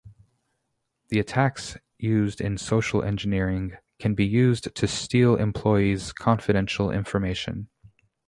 The attacks used in social engineering can be used to steal employees' confidential information.